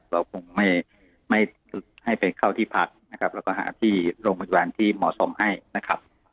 เราคงไม่ให้ไปเข้าที่พักนะครับแล้วก็หาที่โรงพยาบาลที่เหมาะสมให้นะครับ